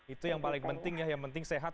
itu yang paling penting ya yang penting sehat